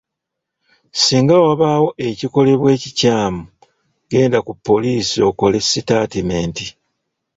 Singa wabaawo ekikolebwa ekikyamu, genda ku poliisi okole sitaatimenti.